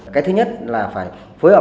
cái thứ nhất là phải phối hợp